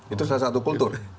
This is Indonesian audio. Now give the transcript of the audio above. itu salah satu kultur